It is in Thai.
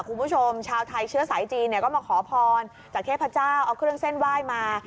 คุณผู้ชมชาวไทยเชื้อสายจีนเนี่ยก็มาขอพรจากเทพเจ้าเอาเครื่องเส้นไหว้มา